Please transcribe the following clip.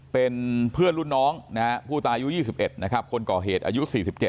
เป็นเพื่อนรุ่นน้องนะฮะผู้ตายอายุ๒๑นะครับคนก่อเหตุอายุ๔๗